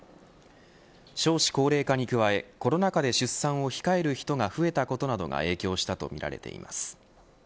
少子高齢化に加えコロナ禍で出産を控える人が増えたことなどが影響したとみられています。